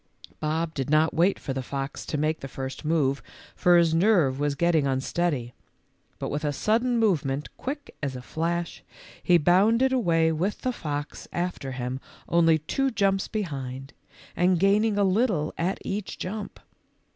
Bob did not wait for the fox to make the first move, for his nerve was 2'ettino; unsteady, but with a sudden movement quick as a flash he bounded away with the fox after him only two jumps behind and gaining a little at each jump.